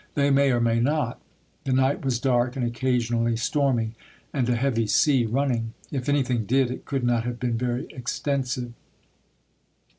They may or may not. The night was dark and occasionally stormy, and tJ^eaure a heavy sea running. If anything did, it could not ilS'i^Ms. have been very extensive."